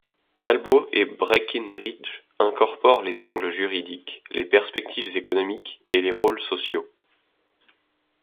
Talbot et Breckinridge incorporent les angles juridiques, les perspectives économiques et les rôles sociaux.